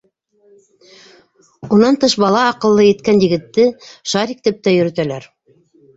Унан тыш бала аҡыллы еткән егетте шарик тип гә йөрөтәләр.